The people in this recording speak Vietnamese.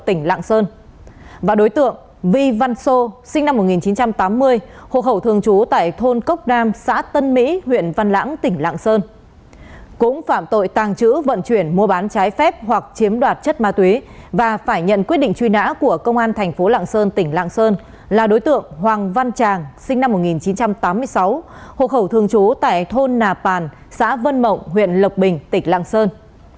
trung tướng vy văn sô sinh năm một nghìn chín trăm tám mươi hộ khẩu thường trú tại thôn cốc đam xã tân mỹ huyện văn lãng tỉnh lạng sơn cũng phạm tội tàng trữ vận chuyển mua bán trái phép hoặc chiếm đoạt chất ma túy và phải nhận quyết định truy nã của công an thành phố lạng sơn tỉnh lạng sơn là đối tượng hoàng văn tràng sinh năm một nghìn chín trăm tám mươi sáu hộ khẩu thường trú tại thôn nà pàn xã vân mộng huyện lộc bình tỉnh lạng sơn